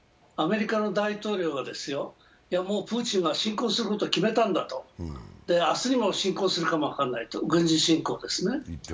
アメリカの大統領が、もうプーチンは侵攻することを決めたんだと、明日にも侵攻するかも分からないと、軍事侵攻ですね。